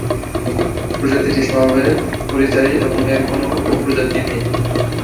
প্রজাতিটি স্বভাবে পরিযায়ী এবং এর কোন উপপ্রজাতি নেই।